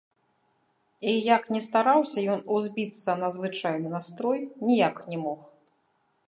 І як ні стараўся ён узбіцца на звычайны настрой, ніяк не мог.